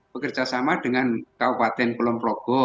bekerja sama dengan kabupaten kulonprogo